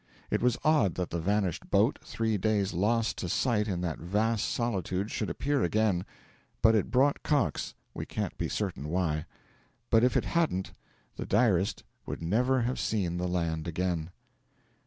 It was odd that the vanished boat, three days lost to sight in that vast solitude, should appear again. But it brought Cox we can't be certain why. But if it hadn't, the diarist would never have seen the land again.